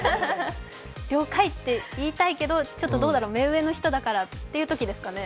了解って言いたいけど、どうだろう、目上の人だからというときですかね。